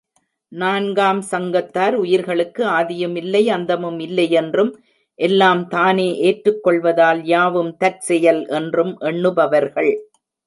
நான்காம் சங்கத்தார் உயிர்களுக்கு ஆதியுமில்லை அந்தமும் இல்லையென்றும் எல்லாம் தானே ஏற்றுக்கொள்வதால் யாவும் தற்செயல் என்றும் எண்ணுபவர்கள்.